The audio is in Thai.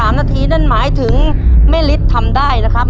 ถ้าไม่เกิน๓นาทีนั้นหมายถึงแม่ฤทธิ์ทำได้นะครับ